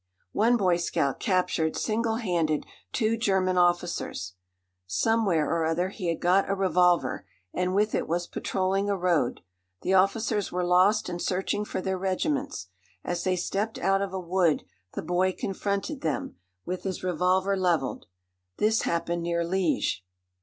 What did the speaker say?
One boy scout captured, single handed, two German officers. Somewhere or other he had got a revolver, and with it was patrolling a road. The officers were lost and searching for their regiments. As they stepped out of a wood the boy confronted them, with his revolver levelled. This happened near Liège.